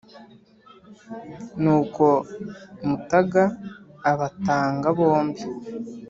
nuko mutaga abatanga bombi,